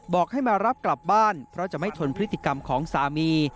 บอกให้มารับกลับบ้านเพราะจะไม่ทนพฤติกรรมของสามี